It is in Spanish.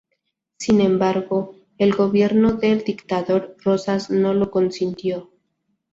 Sin embargo, el gobierno del dictador Rosas no lo consintió.